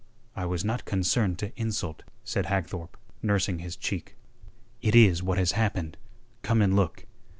"I was not concerned to insult," said Hagthorpe, nursing his cheek. "It is what has happened. Come and look."